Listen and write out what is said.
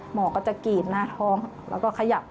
หมอก็จะกรีดหน้าท้องแล้วก็ขยับ